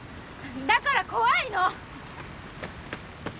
だから怖いの！